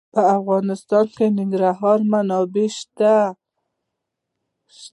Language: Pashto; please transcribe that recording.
په افغانستان کې د ننګرهار منابع شته.